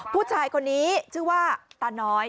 ผู้ชายคนนี้ชื่อว่าตาน้อย